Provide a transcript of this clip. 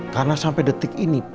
karena sampai detik ini